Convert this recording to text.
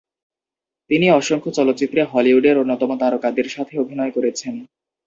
তিনি অসংখ্য চলচ্চিত্রে হলিউডের অন্যতম তারকাদের সাথে অভিনয় করেছেন।